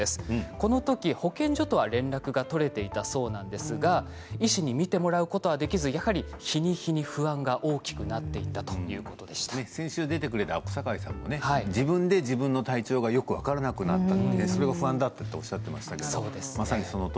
このとき、保健所とは連絡が取れていたそうなんですが医師に診てもらうことはできずやはり日に日に不安が大きくなっていった先週出てくれた小堺さんも自分で自分の体調がよく分からなくなってそれが不安だったとおっしゃってましたね。